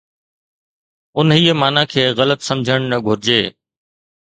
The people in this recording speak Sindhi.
انهيءَ معنيٰ کي غلط سمجهڻ نه گهرجي.